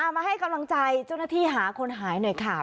มาให้กำลังใจเจ้าหน้าที่หาคนหายหน่อยค่ะ